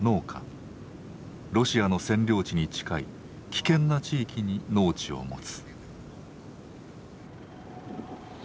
ロシアの占領地に近い危険な地域に農地を持つ。